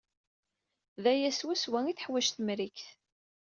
D aya swaswa ay teḥwaj Temrikt.